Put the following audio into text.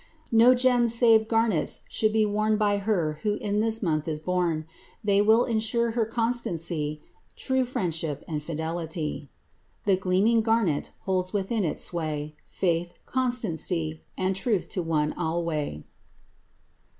No gems save garnets should be worn By her who in this month is born; They will insure her constancy, True friendship and fidelity. The gleaming garnet holds within its sway Faith, constancy, and truth to one alway.